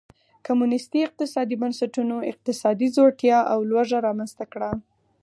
کمونېستي اقتصادي بنسټونو اقتصادي ځوړتیا او لوږه رامنځته کړه.